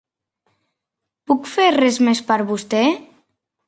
Puc fer res més per vostè?